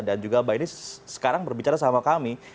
dan juga mbak eni sekarang berbicara sama kami